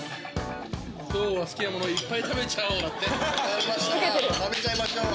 「今日は好きなものいっぱい食べちゃおう！」